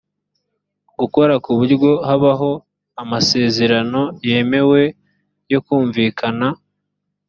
gukora ku buryo habaho amasezerano yemewe yokumvikana